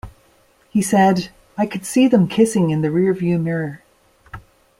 He said, I could see them kissing in the rear-view mirror.